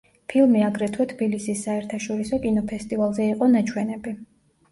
ფილმი აგრეთვე თბილისის საერთაშორისო კინოფესტივალზე იყო ნაჩვენები.